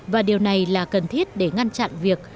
và điều này là cần thiết để ngăn chặn việc